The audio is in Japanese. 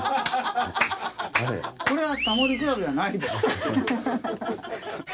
これは『タモリ倶楽部』じゃないです。